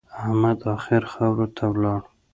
احمد اخير خاورو ته ولاړ.